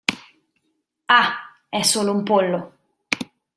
Ah, è solo un pollo.